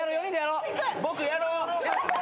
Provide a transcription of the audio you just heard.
僕やろう！